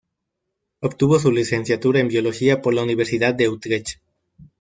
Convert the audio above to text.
Obtuvo su licenciatura en biología por la Universidad de Utrecht.